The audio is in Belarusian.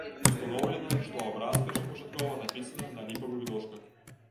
Устаноўлена, што абраз першапачаткова напісаны на ліпавых дошках.